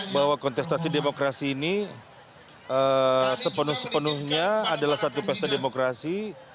bahwa kontestasi demokrasi ini sepenuh sepenuhnya adalah satu pesta demokrasi